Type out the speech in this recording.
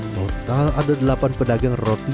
total ada delapan pedagang roti